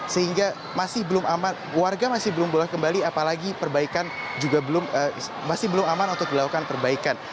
sehingga masih belum aman warga masih belum boleh kembali apalagi perbaikan juga masih belum aman untuk dilakukan perbaikan